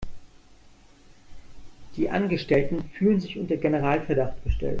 Die Angestellten fühlen sich unter Generalverdacht gestellt.